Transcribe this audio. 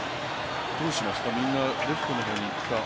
どうしますか、みんなレフトの方に行った。